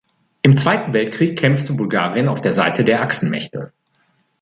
Im Zweiten Weltkrieg kämpfte Bulgarien auf der Seite der Achsenmächte.